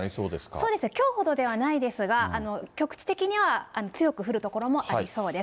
そうですね、きょうほどではないですが、局地的には強く降る所もありそうです。